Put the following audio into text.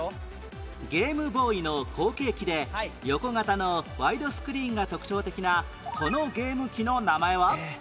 ゲームボーイの後継機で横型のワイドスクリーンが特徴的なこのゲーム機の名前は？